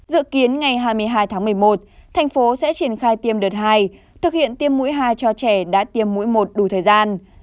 dự kiến ngày hai mươi hai tháng một mươi một thành phố sẽ triển khai tiêm đợt hai thực hiện tiêm mũi hai cho trẻ đã tiêm mũi một đủ thời gian